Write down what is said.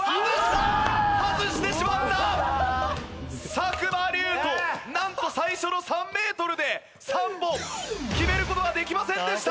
作間龍斗なんと最初の３メートルで３本決める事ができませんでした。